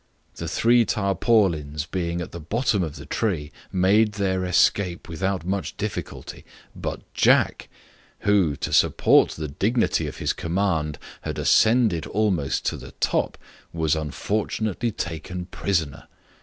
The three tarpaulins being at the bottom of the tree made their escape without much difficulty; but Jack, who, to support the dignity of his new command, had ascended almost to the top, was unfortunately taken prisoner.